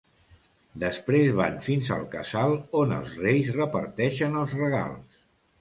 Després van fins al Casal on els Reis reparteixen els regals.